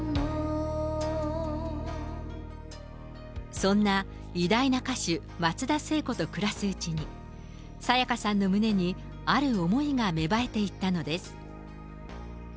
そんな偉大な歌手、松田聖子と暮らすうちに、沙也加さんの胸に、ある思いが芽生えていったのです。